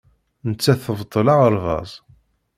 Nettat tebṭel aɣerbaz.